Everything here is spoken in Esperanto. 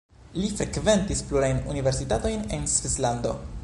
Li frekventis plurajn universitatojn en Svislando.